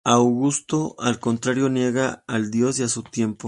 Augusto, al contrario, niega al dios y a su templo.